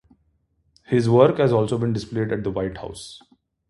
His work has also been displayed at the White House.